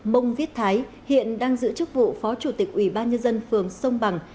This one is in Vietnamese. mông viết thái hiện đang giữ chức vụ phó chủ tịch ủy ban nhân dân phường sông bằng